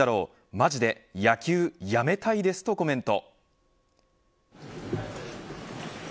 マジで野球辞めたいですとコメント。